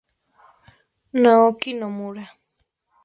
Naoki Nomura